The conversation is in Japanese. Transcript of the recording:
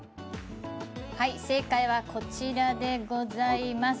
はい正解はこちらでございます。